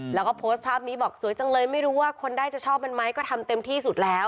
แล้วก็โพสต์ภาพนี้บอกสวยจังเลยไม่รู้ว่าคนได้จะชอบมันไหมก็ทำเต็มที่สุดแล้ว